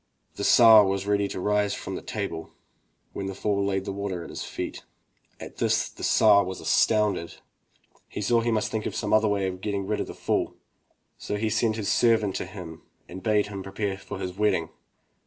The Tsar was just ready to rise from the table, when the fool laid the water at his feet. At this the Tsar was astounded. He saw he must think of i88 THROUGH FAIRY HALLS some Other way to get rid of the fool, so he sent his servant to him and bade him prepare for his wedding.